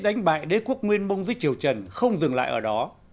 đánh bại đế quốc nguyên mông dưới chiều trần không dừng lại ở đó